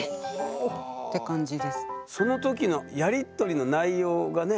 その時のやり取りの内容がね。